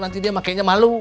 nanti dia makanya malu